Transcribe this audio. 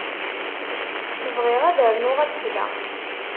Bɣiɣ ad rnuɣ ad sleɣ.